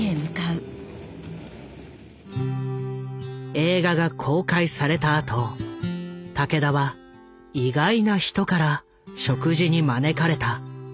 映画が公開されたあと武田は意外な人から食事に招かれた。